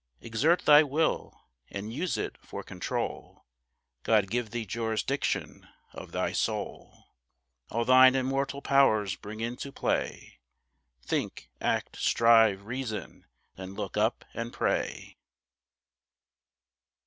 Exert thy will and use it for control; God gave thee jurisdiction of thy soul. All thine immortal powers bring into play; Think, act, strive, reason, then look up and pray.